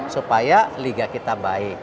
supaya liga kita baik